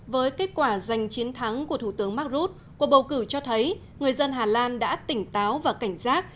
với kết quả giành chiến thắng của thủ tướng mark rut cuộc bầu cử cho thấy người dân hà lan đã tỉnh táo và cảnh giác